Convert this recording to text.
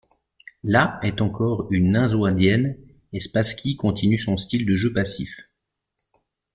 La est encore une nimzo-indienne et Spassky continue son style de jeu passif.